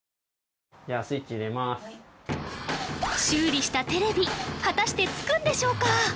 修理したテレビ果たしてつくんでしょうか？